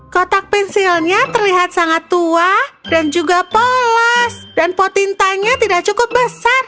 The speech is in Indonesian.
kotak pensilnya terlihat sangat tua dan juga polas dan pot tintanya tidak cukup besar